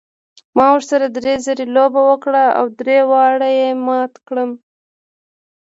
ما ورسره درې ځلې لوبه کړې او درې واړه یې مات کړی یم.